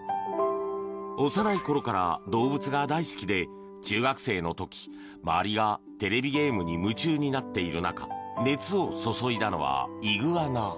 幼い頃から動物が大好きで中学生の時周りがテレビゲームに夢中になっている中熱を注いだのはイグアナ。